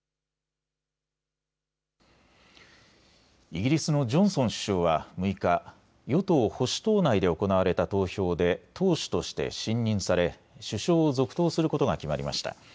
イギリスのジョンソン首相は６日、与党保守党内で行われた投票で党首として信任され首相を続投することが決まりました。